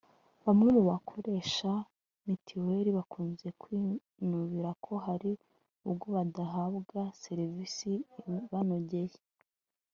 Bamwe mu bakoresha mitiweli bakunze kwinubira ko hari ubwo badahabwa serivisi ibanogeye